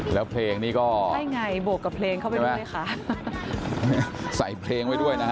แล้วเพลงนี้ก็ใช่ไงบวกกับเพลงเข้าไปด้วยค่ะใส่เพลงไว้ด้วยนะฮะ